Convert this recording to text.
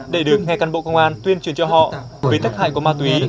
để được nghe căn bộ công an tuyên truyền cho họ với tác hại của ma túy